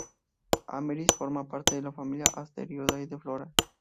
Amneris forma parte de la familia asteroidal de Flora.